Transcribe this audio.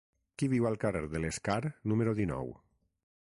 Qui viu al carrer de l'Escar número dinou?